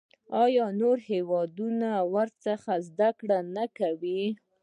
آیا نور هیوادونه ورڅخه زده کړه نه کوي؟